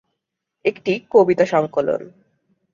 একটি কবিতা সংকলন।